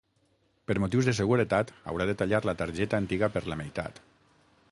Per motius de seguretat haurà de tallar la targeta antiga per la meitat.